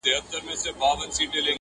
د خندا جنازه ولاړه غم لړلې!